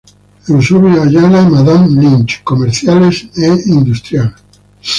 Eusebio Ayala y Madame Lynch, comercial e industrial.